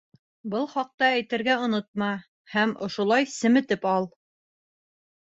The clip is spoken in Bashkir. Был хаҡта әйтергә онотма һәм ошолай семетеп ал.